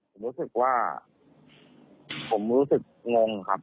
ผมรู้สึกว่าผมรู้สึกงงครับ